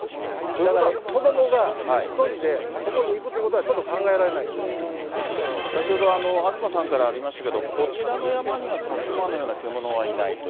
だから、子どもが１人でそこに行くということは、ちょっと考えら先ほど、東さんからありましたけれども、こちらの山にはその熊のような獣はいないと。